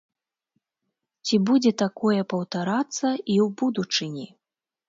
Ці будзе такое паўтарацца і ў будучыні?